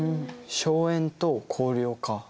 荘園と公領か。